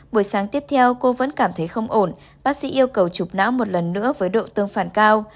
buổi sáng tiếp theo cô vẫn cảm thấy không ổn bác sĩ yêu cầu chụp não một lần nữa với độ tương phản cao